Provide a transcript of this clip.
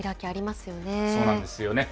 そうなんですよね。